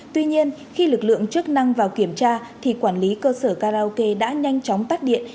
tuy nhiên khi lực lượng chức năng vào kiểm tra thì quản lý cơ sở karaoke đã nhanh chóng tắt điện